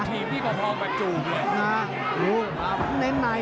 ทีมที่พอกับจูบเลย